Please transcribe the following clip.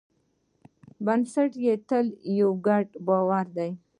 بنسټ یې تل یو ګډ باور دی.